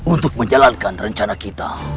untuk menjalankan rencana kita